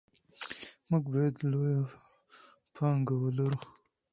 موږ باید لویه پانګه ولرو.